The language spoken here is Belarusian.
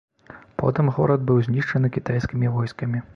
Потым горад быў знішчаны кітайскімі войскамі.